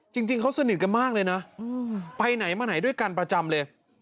จริงเขาสนิทกันมากเลยนะไปไหนมาไหนด้วยกันประจำเลย